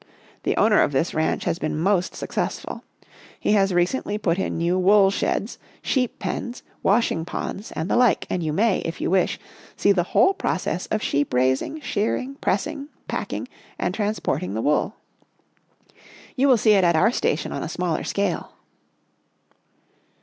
The owner of this ranch has been most successful. He has recently put in new wool sheds, sheep pens, washing ponds, and the like, and you may, if you wish, see the whole process of sheep rais ing, shearing, pressing, packing and transport ing the wool. You will see it at our station on a smaller scale."